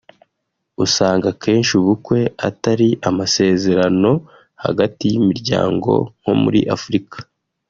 usanga kenshi ubukwe atari amasezerano hagati y’imiryango nko muri Afurika